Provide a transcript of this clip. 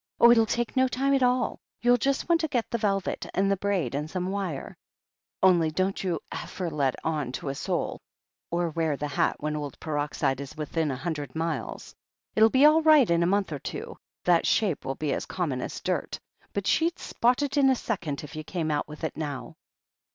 Oh, it'll take no time at all — ^you'll just want to get the velvet, and the braid, and some wire. Only don't you ever let on to a soul — or wear the hat when ft THE HEEL OF ACHILLES 215 old Peroxide is within a hundred miles. It'll be all right in a month or two — that shape will be as common as dirt— ^but she'd spot it in a second if you came out with it now."